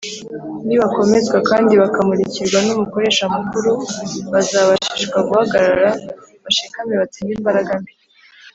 nibakomezwa kandi bakamurikirwa n’umukoresha mukuru, bazabashishwa guhagaraga bashikamye batsinde imbaraga mbi,